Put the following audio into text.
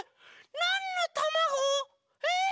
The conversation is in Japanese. なんのたまご？えっ！